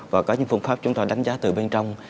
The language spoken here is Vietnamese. và có những phương pháp chúng ta đánh giá từ bên trong